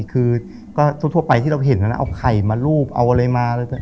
คือก็ทั่วไปที่เราเห็นเอาไข่มารูปเอาอะไรมา